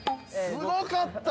◆すごかった！